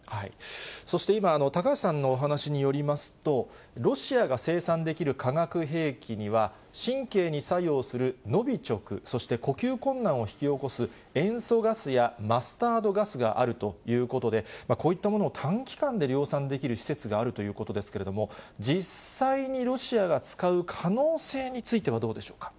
そして今、高橋さんのお話によりますと、ロシアが生産できる化学兵器には、神経に作用するノビチョク、そして呼吸困難を引き起こす塩素ガスやマスタードガスがあるということで、こういったものを短期間で量産できる施設があるということですけれども、実際にロシアが使う可能性についてはどうでしょうか。